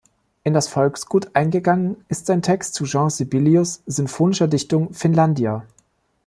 In das Volksgut eingegangen ist sein Text zu Jean Sibelius’ Sinfonischer Dichtung "Finlandia".